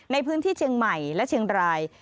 ในพื้นที่เชียงใหม่และเชียงราย